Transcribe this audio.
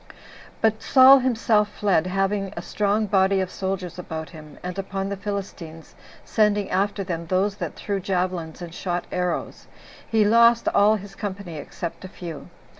But Saul himself fled, having a strong body of soldiers about him; and upon the Philistines sending after them those that threw javelins and shot arrows, he lost all his company except a few.